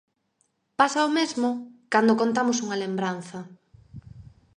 Pasa o mesmo cando contamos unha lembranza.